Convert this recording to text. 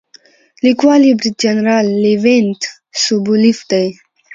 لیکوال یې برید جنرال لیونید سوبولیف دی.